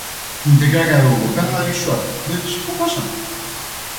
Integrarea europeană a eșuat, deci tot așa!